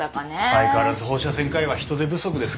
相変わらず放射線科医は人手不足ですからね。